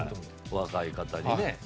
若い方にね。